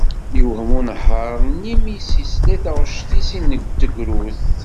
Yewhem unehhar-nni mi yesla i taɣect-is n tegrudt.